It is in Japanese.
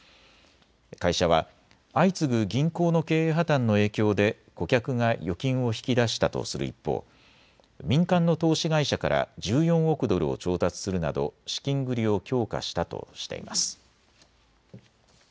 会社は相次ぐ銀行の経営破綻の影響で顧客が預金を引き出したとする一方、民間の投資会社から１４億ドルを調達するなど資金繰りを強化したとしています。